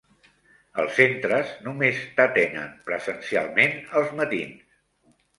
Els centres només t'atenen presencialment als matins.